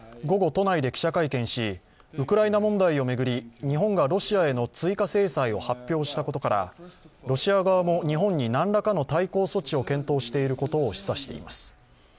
午後、都内で記者会見し、ウクライナ問題を巡り、日本がロシアへの追加制裁を発表したことからロシア側も日本に何らかの対抗措置を検討していることを示唆しています。